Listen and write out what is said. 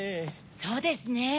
そうですね。